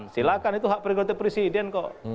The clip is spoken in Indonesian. silahkan itu hak prerogatif presiden kok